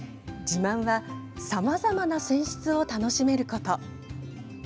自慢は、さまざまな泉質を楽しめること。